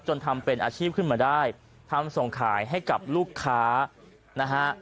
ทำเป็นอาชีพขึ้นมาได้ทำส่งขายให้กับลูกค้านะฮะ